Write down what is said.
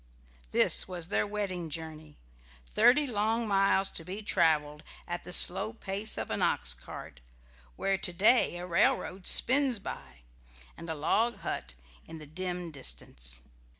This was their wedding journey. Thirty long miles to be travelled, at the slow pace of an oxcart, where to day a railroad spins by, and a log hut in the dim distance.